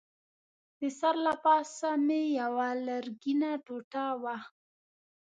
د سر له پاسه مې یوه لرګینه ټوټه وه.